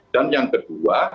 dan yang kedua